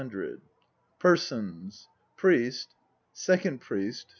PERSONS PRIEST. FISHER. SECOND PRIEST.